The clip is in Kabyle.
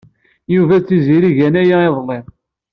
Yuba d Tiziri gan aya iḍelli.